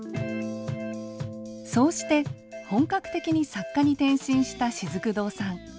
そうして本格的に作家に転身したしずく堂さん。